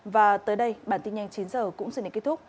và tới đây bản tin nhanh chín h cũng xin đến kết thúc